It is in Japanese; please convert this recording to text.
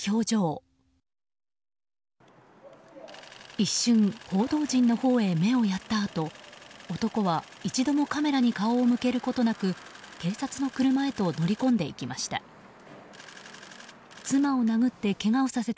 一瞬、報道陣のほうへ目をやったあと男は、一度もカメラに顔を向けることなく警察の車へと乗り込んでいきました。